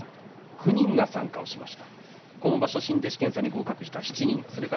９人が参加しました。